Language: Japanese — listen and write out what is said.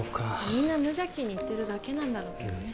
みんな無邪気に言ってるだけなんだろうけどね